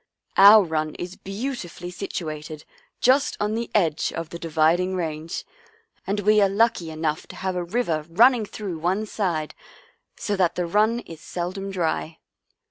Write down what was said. Our run is beautifully situ ated just on the edge of the Dividing Range, and we are lucky enough to have a river run ning through one side, so that the run is seldom dry."